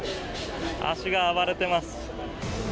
足が暴れてます。